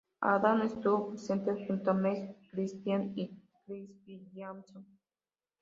Adam estuvo presente, junto a Meg Christian y Cris Williamson.